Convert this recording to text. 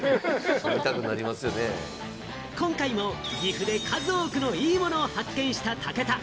今回も岐阜で数多くのいいものを発見した武田。